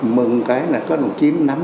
mừng cái là có thể kiếm nắm